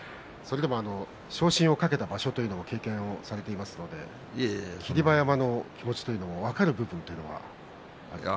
昇進を懸けた場所というのも経験されていますので霧馬山の気持ちというのも分かる部分があるんじゃないですか。